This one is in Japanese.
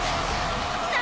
何？